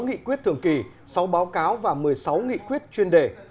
sáu nghị quyết thường kỳ sáu báo cáo và một mươi sáu nghị quyết chuyên đề